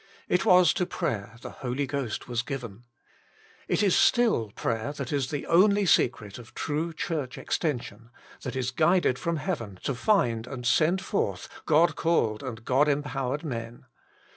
It was to prayer the Holy Ghost was given. It is still prayer that is the only secret of true Church extension, that is guided from heaven to find and send forth God called and God empowered men.